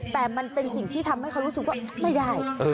แต่มันเป็นสิ่งที่ทำให้เขารู้สึกว่าไม่ได้